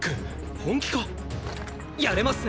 本気か⁉やれますね